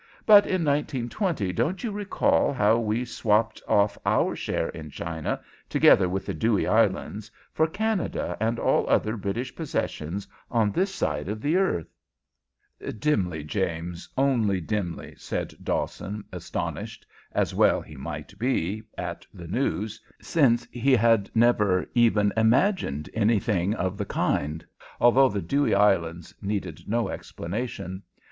But in 1920 don't you recall how we swapped off our share in China, together with the Dewey Islands, for Canada and all other British possessions on this side of the earth?" "Dimly, James, only dimly," said Dawson, astonished, as well he might be, at the news, since he had never even imagined anything of the kind, although the Dewey Islands needed no explanation.